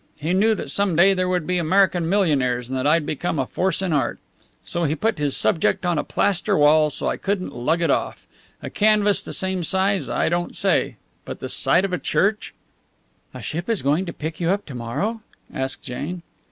He knew that some day there would be American millionaires and that I'd become a force in art. So he put his subject on a plaster wall so I couldn't lug it off. A canvas the same size, I don't say; but the side of a church!" "A ship is going to pick you up to morrow?" asked Jane.